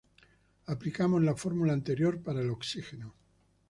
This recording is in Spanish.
Aplicamos la fórmula anterior para el oxígeno.